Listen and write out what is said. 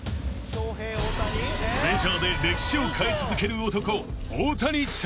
［メジャーで歴史を変え続ける男］